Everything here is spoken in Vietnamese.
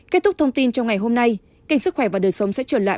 kết thúc thông tin trong ngày hôm nay kênh sức khỏe và đời sống sẽ trở lại